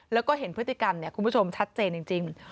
แล้วก็เห็นพฤติกรรมคุณผู้ชมชัดเจนจริง